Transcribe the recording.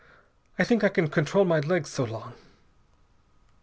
I think I can control my legs so long."